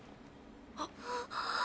あっ。